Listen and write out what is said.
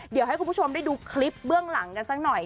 เดี๋ยวให้คุณผู้ชมได้ดูคลิปเบื้องหลังกันสักหน่อย